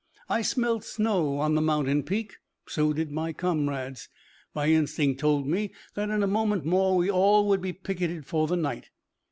I smelt snow on the mountain peak, so did my comrades. My instinct told me that in a moment more we all would be picketed for the night.